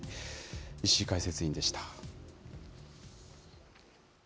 石井解説委員でした。